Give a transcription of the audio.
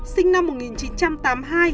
sinh năm một nghìn chín trăm tám mươi hai